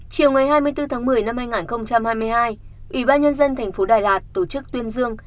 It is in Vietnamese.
chiều ngày hai mươi bốn tháng một mươi năm hai nghìn hai mươi hai ủy ban nhân dân thành phố đà lạt tổ chức tuyên dương